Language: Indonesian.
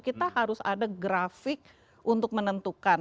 kita harus ada grafik untuk menentukan